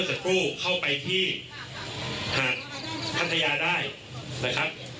สวัสดีครับ